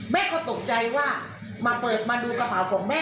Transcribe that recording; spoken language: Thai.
แม่ก็ตกใจว่ามาเปิดมาดูกระเป๋าของแม่